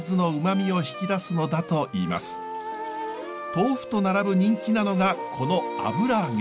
豆腐と並ぶ人気なのがこの油揚げ。